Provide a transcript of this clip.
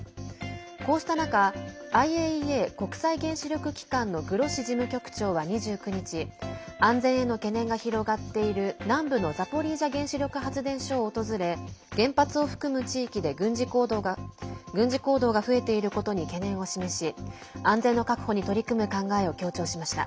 こうした中ＩＡＥＡ＝国際原子力機関のグロッシ事務局長は２９日安全への懸念が広がっている南部のザポリージャ原子力発電所を訪れ原発を含む地域で軍事行動が増えていることに懸念を示し安全の確保に取り組む考えを強調しました。